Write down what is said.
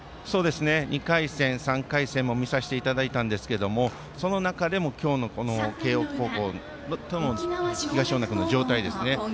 ２回戦、３回戦も見させていただいたんですけどその中でも今日の慶応高校との東恩納君の状態ですね。